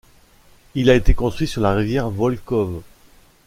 Il a été construit sur la rivière Volkhov.